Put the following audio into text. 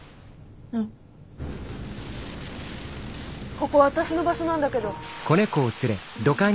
ここ私の場所なんだけど。